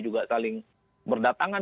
juga saling berdatangan